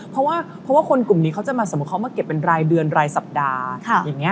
เพราะว่าคนกลุ่มนี้เขาจะมาเก็บเป็นรายเดือนรายสัปดาห์